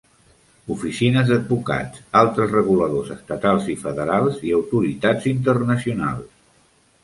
Oficines d'advocats, altres reguladors estatals i federals i autoritats internacionals.